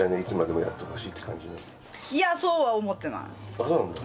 あっそうなんだ？